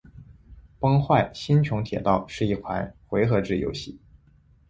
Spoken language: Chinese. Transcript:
《崩坏：星穹铁道》是一款回合制游戏。